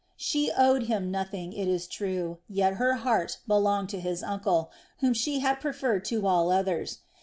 She owed him nothing, it is true, yet her heart belonged to his uncle, whom she had preferred to all others.